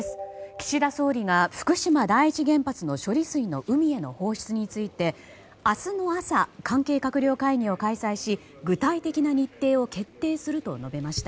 岸田総理が福島第一原発の処理水の海への放出について明日の朝、関係閣僚会議を開催し具体的な日程を決定すると述べました。